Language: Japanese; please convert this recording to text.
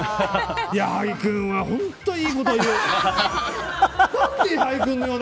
矢作君は本当にいいこと言う。